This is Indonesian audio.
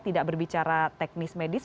tidak berbicara teknis medis